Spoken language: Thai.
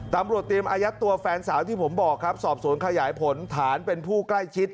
ตำรวจเตรียมอายัดตัวแฟนสาวที่ผมบอกครับสอบสวนขยายผลฐานเป็นผู้ใกล้ชิด